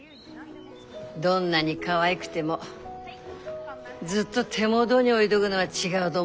どんなにかわいくてもずっと手元に置いどぐのは違うど思いますよ。